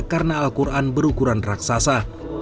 karena al quran berukuran raksasa